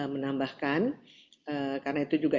menambahkan karena itu juga